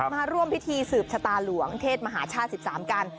มาร่วมพิธีสืบชะตาหลวงเทศมหาชาติ๑๓กัน